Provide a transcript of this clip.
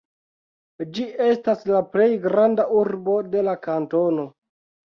Ĝi estas la plej granda urbo de la kantono.